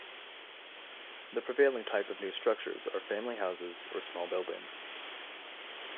The prevailing type of new structures are family houses or small buildings.